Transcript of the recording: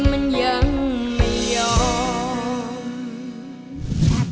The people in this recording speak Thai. การคารคลิล่าอสัตว์